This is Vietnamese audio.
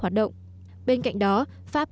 hoạt động bên cạnh đó pháp